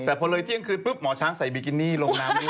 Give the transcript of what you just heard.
แต่พอเลยเที่ยงคืนปุ๊บหมอช้างใส่บิกินี่ลงน้ำด้วย